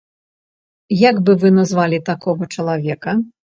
Як бы вы назвалі такога чалавека?